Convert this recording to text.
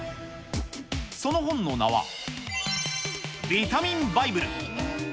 その本の名は、ビタミンバイブル。